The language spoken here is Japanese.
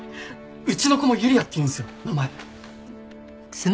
うちの子も「優里亜」っていうんですよ名前。